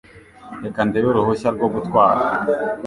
Reka ndebe uruhushya rwo gutwara.